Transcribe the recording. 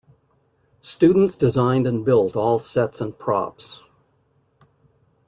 Students designed and built all sets and props.